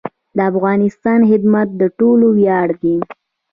د افغانستان خدمت د ټولو ویاړ دی